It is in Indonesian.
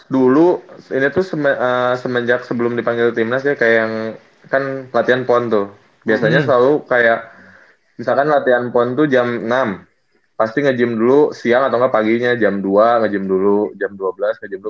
dulu ini tuh semenjak sebelum dipanggil timnas ya kayak yang kan latihan pon tuh biasanya selalu kayak misalkan latihan pon tuh jam enam pasti nge gym dulu siang atau enggak paginya jam dua nge gym dulu jam dua belas nge gym dulu